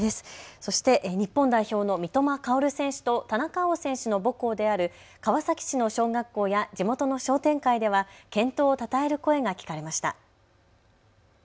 そして日本代表の三笘薫選手と田中碧選手の母校である川崎市の小学校や地元の商店会では健闘をたたえる声が聞かれました。